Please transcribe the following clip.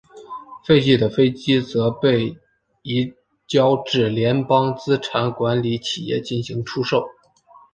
废弃的飞机则被移交至联邦资产管理企业进行出售。